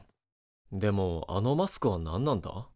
でもあのマスクは何なんだ？